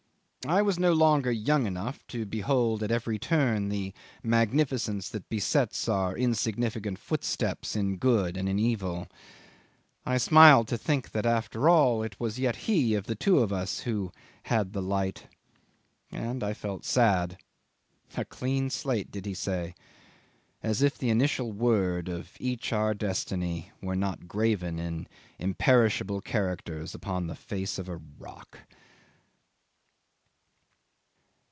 I was no longer young enough to behold at every turn the magnificence that besets our insignificant footsteps in good and in evil. I smiled to think that, after all, it was yet he, of us two, who had the light. And I felt sad. A clean slate, did he say? As if the initial word of each our destiny were not graven in imperishable characters upon the face of a rock.